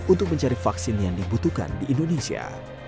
untuk mencari vaksin yang dibutuhkan di indonesia